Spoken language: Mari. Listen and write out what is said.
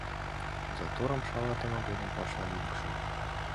Заторым шалатыме годым паша лӱдыкшӧ.